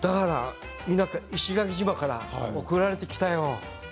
石垣島から送られてきたよ。